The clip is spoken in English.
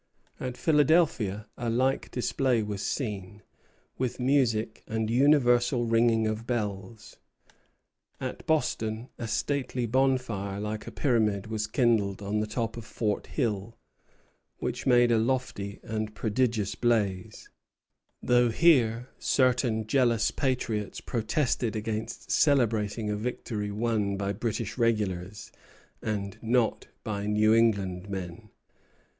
At Philadelphia a like display was seen, with music and universal ringing of bells. At Boston "a stately bonfire like a pyramid was kindled on the top of Fort Hill, which made a lofty and prodigious blaze;" though here certain jealous patriots protested against celebrating a victory won by British regulars, and not by New England men.